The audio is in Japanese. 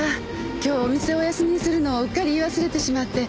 今日お店をお休みするのをうっかり言い忘れてしまって。